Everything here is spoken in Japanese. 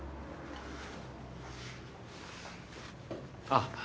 あっ。